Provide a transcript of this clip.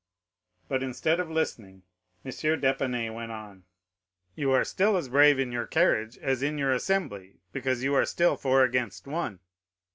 But instead of listening, M. d'Épinay went on,—"You are still as brave in your carriage as in your assembly because you are still four against one."